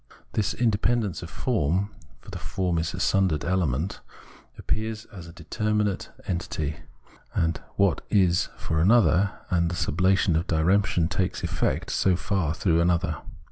This independence of form, for the form is a sundered element, appears as a determinate entity, as what is for another, and the sublation of diremption takes effect so far through another.